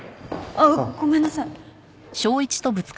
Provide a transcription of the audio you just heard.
あっごめんなさい。